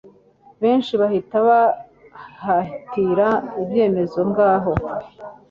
benshi bahita bahatira, ibyemezo, ngaho